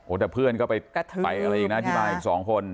โอ้แต่เพื่อนก็ไปไปที่บ้านอีกสองคน